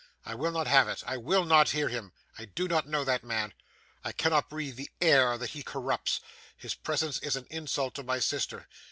'I will not have it. I will not hear him. I do not know that man. I cannot breathe the air that he corrupts. His presence is an insult to my sister.